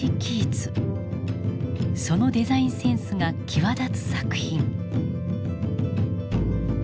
そのデザインセンスが際立つ作品。